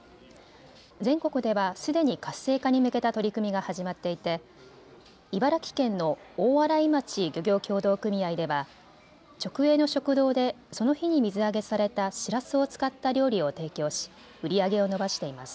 全国ではすでに活性化に向けた取り組みが始まっていて茨城県の大洗町漁業協同組合では直営の食堂でその日に水揚げされたしらすを使った料理を提供し売り上げを伸ばしています。